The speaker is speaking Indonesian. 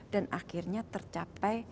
dan akhirnya tercapai